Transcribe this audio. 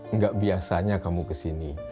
nggak biasanya kamu kesini